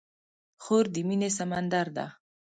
خور د مینې سمندر ده.